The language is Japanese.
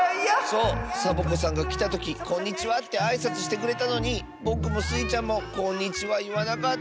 そうサボ子さんがきたとき「こんにちは」ってあいさつしてくれたのにぼくもスイちゃんも「こんにちは」いわなかったッス。